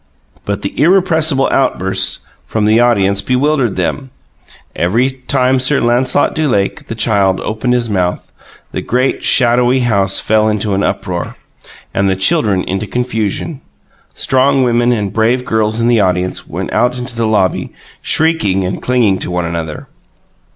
But the irrepressible outbursts from the audience bewildered them; every time Sir Lancelot du Lake the Child opened his mouth, the great, shadowy house fell into an uproar, and the children into confusion. Strong women and brave girls in the audience went out into the lobby, shrieking and clinging to one another.